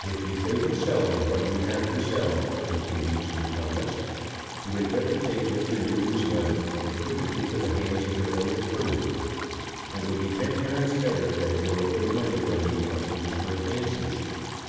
"If you think of selling what you have to sell," continued Sir Thomas, "you had better take Mr. Newton's letter and put it into the hands of your own attorney. It will be ten times better than going to the money lending companies for advances.